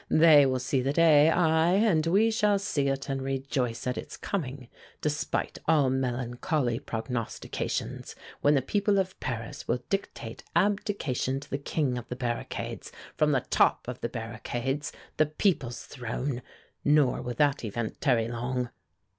"They will see the day aye! and we all shall see it and rejoice at its coming, despite all melancholy prognostications, when the people of Paris will dictate abdication to the king of the barricades, from the top of the barricades, the people's throne! Nor will that event tarry long!"